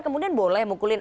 kemudian boleh mukulin